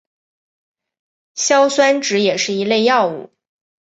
硝酸酯也是一类药物。